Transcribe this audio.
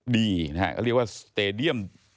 ดีนะฮะก็เรียกว่าสเตดียม